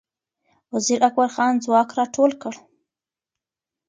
وزیر اکبرخان ځواک را ټول کړ